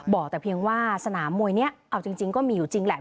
บอกแต่เพียงว่าสนามมวยนี้เอาจริงก็มีอยู่จริงแหละ